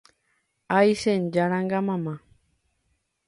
Aichejáranga mama